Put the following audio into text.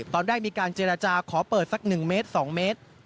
ตอนแรกมีการเจรจาขอเปิดสัก๑เมตร๒เมตร